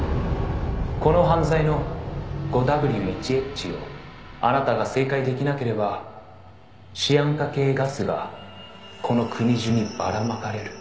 「この犯罪の５Ｗ１Ｈをあなたが正解できなければシアン化系ガスがこの国中にばらまかれる」